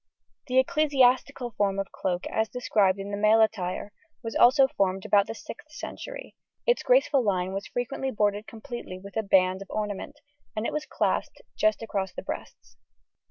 The ecclesiastical form of cloak as described in the male attire was also formed about the 6th century; its graceful line was frequently bordered completely with a band of ornament, and it was clasped just across the breasts.